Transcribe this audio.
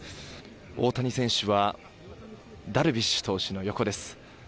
大谷選手はダルビッシュ投手の横です。